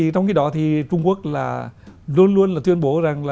trong khi đó trung quốc luôn luôn tuyên bố